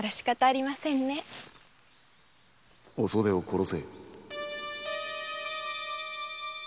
お袖を殺せ！